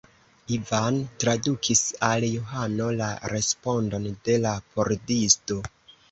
Ivan tradukis al Johano la respondon de la pordisto.